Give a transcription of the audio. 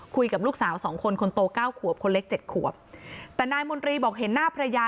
คุยกับลูกสาวสองคนคนโตเก้าขวบคนเล็กเจ็ดขวบแต่นายมนตรีบอกเห็นหน้าภรรยา